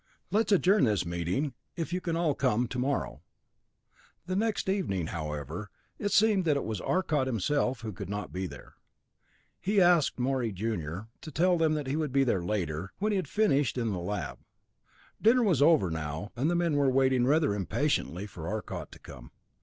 Let's adjourn this meeting, if you can all come tomorrow." The next evening, however, it seemed that it was Arcot himself who could not be there. He asked Morey, junior, to tell them he would be there later, when he had finished in the lab. Dinner was over now, and the men were waiting rather impatiently for Arcot to come.